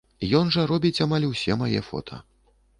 Ён жа робіць амаль усе мае фота.